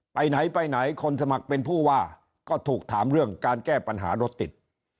ไปไหนไปไหนคนสมัครเป็นผู้ว่าก็ถูกถามเรื่องการแก้ปัญหารถติด